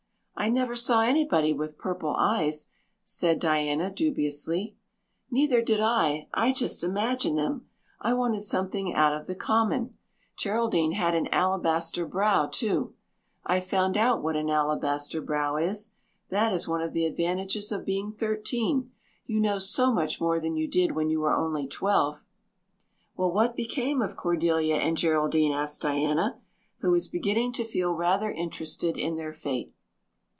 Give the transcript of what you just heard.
"I never saw anybody with purple eyes," said Diana dubiously. "Neither did I. I just imagined them. I wanted something out of the common. Geraldine had an alabaster brow too. I've found out what an alabaster brow is. That is one of the advantages of being thirteen. You know so much more than you did when you were only twelve." "Well, what became of Cordelia and Geraldine?" asked Diana, who was beginning to feel rather interested in their fate.